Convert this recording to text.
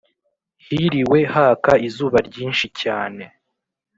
Hiriwe haka izuba ryinshi cyane